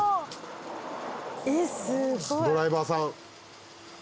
ドライバーさん。